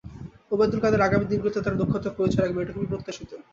ওবায়দুল কাদের আগামী দিনগুলোতে তাঁর দক্ষতার পরিচয় রাখবেন, এটা খুবই প্রত্যাশিত।